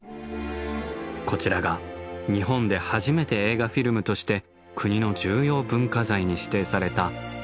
こちらが日本で初めて映画フィルムとして国の重要文化財に指定された「紅葉狩」。